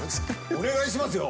お願いしますよ。